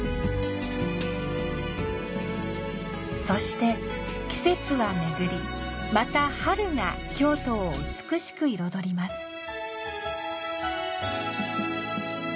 そして季節は巡り、また春が京都を美しく彩ります。